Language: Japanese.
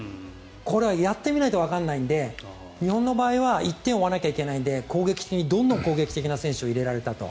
これはやってみないとわからないので日本の場合は１点を追わなきゃいけないので攻撃的にどんな選手を入れられるかと。